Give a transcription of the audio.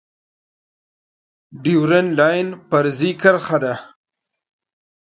ډیورنډ لاین فرضي کرښه ده